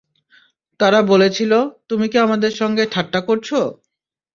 তারা বলেছিল, তুমি কি আমাদের সঙ্গে ঠাট্টা করছ?